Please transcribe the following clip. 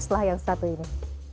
setelah yang satu ini